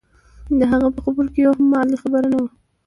د هغه په خبرو کې یوه هم علمي خبره نه وه.